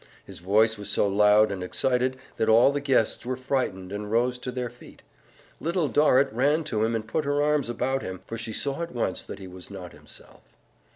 His voice was so loud and excited that all the guests were frightened and rose to their feet. Little Dorrit ran to him and put her arms about him, for she saw at once that he was not himself.